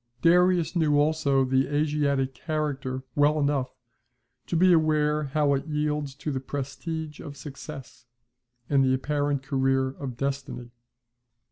Darius knew also the Asiatic character well enough to be aware how it yields to the prestige of success, and the apparent career of destiny.